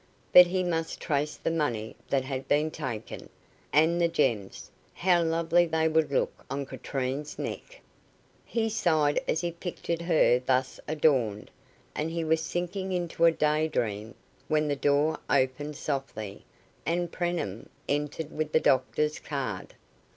But he must trace the money that had been taken, and the gems how lovely they would look on Katrine's neck! He sighed as he pictured her thus adorned, and he was sinking into a day dream, when the door opened softly, and Preenham entered with the doctor's card.